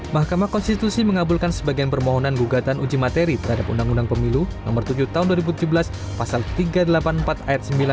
mahkamah konstitusi mengabulkan sebagian permohonan gugatan uji materi terhadap undang undang pemilu nomor tujuh tahun dua ribu tujuh belas pasal tiga ratus delapan puluh empat ayat sembilan